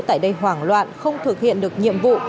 tại đây hoảng loạn không thực hiện được nhiệm vụ